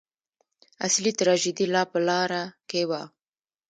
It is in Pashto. اصلي تراژیدي لا په لاره کې وه.